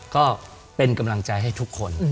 ก็เป็นกำลังใจให้ทุกคน